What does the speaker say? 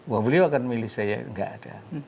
bahwa beliau akan memilih saya tidak ada